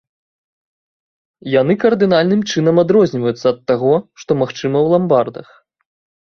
Яны кардынальным чынам адрозніваюцца ад таго, што магчыма ў ламбардах.